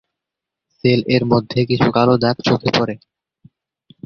Sell এর মধ্যে কিছু কালো দাগ চোখে পড়ে।